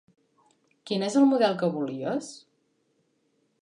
Quin és el model que volies?